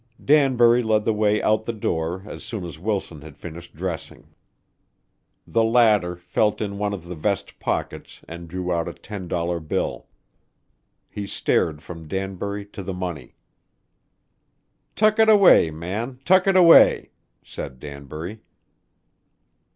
Danbury led the way out the door as soon as Wilson had finished dressing. The latter felt in one of the vest pockets and drew out a ten dollar bill. He stared from Danbury to the money. "Tuck it away, man, tuck it away," said Danbury.